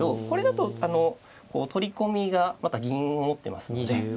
これだと取り込みがまた銀を持ってますので。